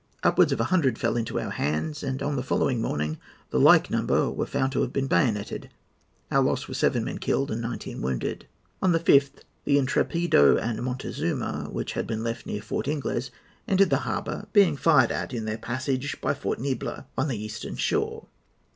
Upwards of a hundred fell into our hands, and on the following morning the like number were found to have been bayoneted. Our loss was seven men killed and nineteen wounded. "On the 5th, the Intrepido and Montezuma, which had been left near Fort Ingles, entered the harbour, being fired at in their passage by Fort Niebla, on the eastern shore.